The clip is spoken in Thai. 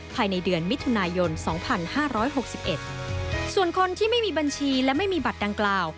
ภายในเดือนมิถุนายนส่วนคนที่ไม่มีบัญชีและไม่มีบัตรดังกล่าว